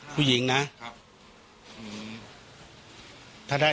ผู้หญิงนะ